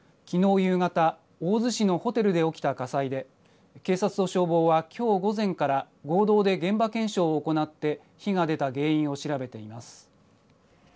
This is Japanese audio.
夕方大洲市のホテルで起きた火災で警察と消防は、きょう午前から合同で現場検証を行って火が出た原因を調べています。